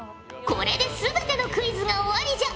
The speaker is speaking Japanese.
これで全てのクイズが終わりじゃ。